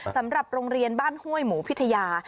สำหรับโรงเรียนบ้านห้วยหมูพิทยา